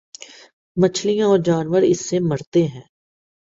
مچھلیاں اور جانور اس سے مرتے ہیں۔